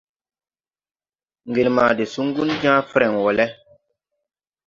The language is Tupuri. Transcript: Ŋgel ma de suŋgun jãã frɛŋ wɔ lɛ.